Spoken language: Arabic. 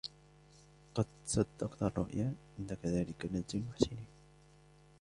قَدْ صَدَّقْتَ الرُّؤْيَا إِنَّا كَذَلِكَ نَجْزِي الْمُحْسِنِينَ